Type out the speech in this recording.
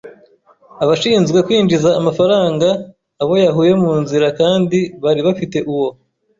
abashinzwe kwinjiza amafaranga, abo yahuye mu nzira, kandi bari bafite uwo